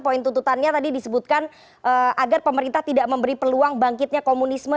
poin tuntutannya tadi disebutkan agar pemerintah tidak memberi peluang bangkitnya komunisme